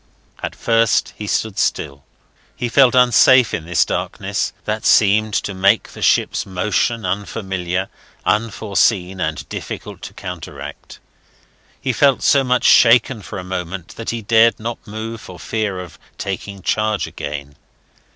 At first he stood still. He felt unsafe in this darkness that seemed to make the ship's motion unfamiliar, unforeseen, and difficult to counteract. He felt so much shaken for a moment that he dared not move for fear of "taking charge again."